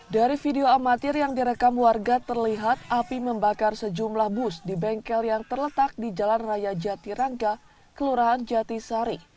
dari video amatir yang direkam warga terlihat api membakar sejumlah bus di bengkel yang terletak di jalan raya jatirangga kelurahan jatisari